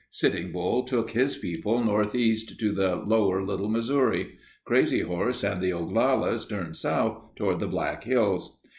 Sitting Bull took his people northeast to the lower Little Missouri. Crazy Horse and the Oglalas turned south toward the Black Hills.